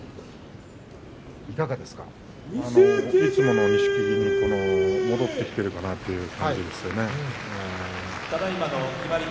いつもの錦木に戻ってきてるかなという感じですね。